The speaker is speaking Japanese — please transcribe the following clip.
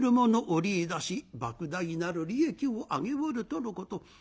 織りいだしばく大なる利益を上げおるとのこと。